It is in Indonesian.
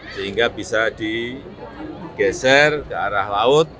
sehingga bisa digeser ke arah laut